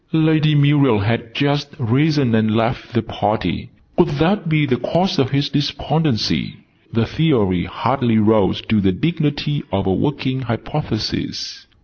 Lady Muriel had just risen and left the party. Could that be the cause of his despondency? The Theory hardly rose to the dignity of a Working Hypothesis.